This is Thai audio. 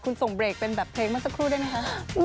คุณส่งเบรกเป็นแบบเพลงเมื่อสักครู่ได้ไหมคะ